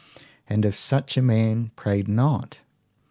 And if such a man prayed not?